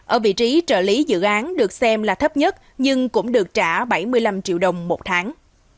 ở vị trí trợ lý dự án được xem là thấp nhất nhưng cũng được trả bảy mươi năm triệu đồng một tháng